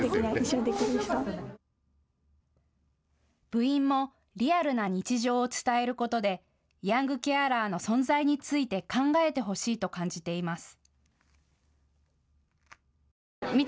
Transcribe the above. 部員もリアルな日常を伝えることでヤングケアラーの存在について考えてほしいと感じています。